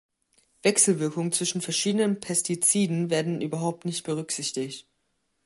Wechselwirkungen zwischen verschiedenen Pestiziden werden überhaupt nicht berücksichtigt.